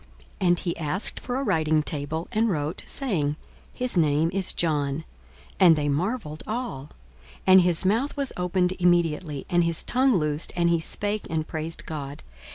42:001:063 And he asked for a writing table, and wrote, saying, His name is John. And they marvelled all. 42:001:064 And his mouth was opened immediately, and his tongue loosed, and he spake, and praised God.